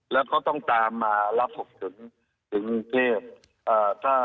แล้วเขาต้องตามมารับฝึกถึงเพศ